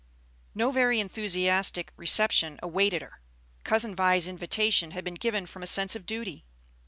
No very enthusiastic reception awaited her. Cousin Vi's invitation had been given from a sense of duty.